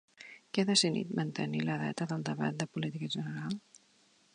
Qui ha decidit mantenir la data del debat de política general?